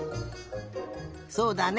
そうだね。